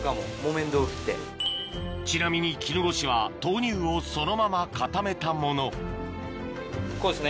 ちなみに絹ごしは豆乳をそのまま固めたものこうですね。